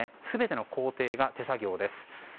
全ての工程が手作業です。